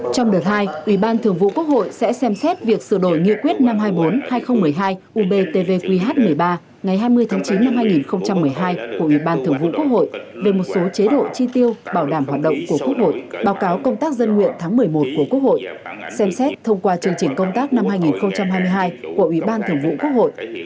trong đợt hai ủy ban thường vụ quốc hội sẽ xem xét việc sửa đổi nghị quyết năm trăm hai mươi bốn hai nghìn một mươi hai ubtvqh một mươi ba ngày hai mươi tháng chín năm hai nghìn một mươi hai của ủy ban thường vụ quốc hội về một số chế độ chi tiêu bảo đảm hoạt động của quốc hội báo cáo công tác dân nguyện tháng một mươi một của quốc hội xem xét thông qua chương trình công tác năm hai nghìn hai mươi hai của ủy ban thường vụ quốc hội